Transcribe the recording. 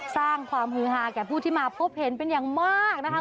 สร้างความฮือฮาแก่ผู้ที่มาพบเห็นเป็นอย่างมากนะคะ